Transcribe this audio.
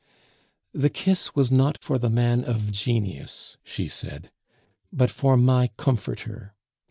"The kiss was not for the man of genius," she said, "but for my comforter.